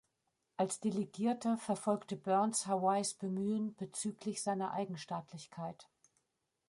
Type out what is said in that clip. Als Delegierter verfolgte Burns Hawaiis Bemühen bezüglich seiner Eigenstaatlichkeit.